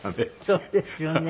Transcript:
そうですよね。